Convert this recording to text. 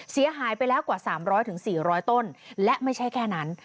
เสียหายไปแล้วกว่า๓๐๐๔๐๐ต้นและไม่ใช่แค่นั้น